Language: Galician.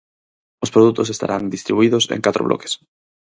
Os produtos estarán distribuídos en catro bloques.